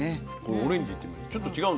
オレンジいってみよう。